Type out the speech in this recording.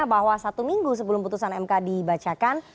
bahwa satu minggu sebelum putusan mk dibacakan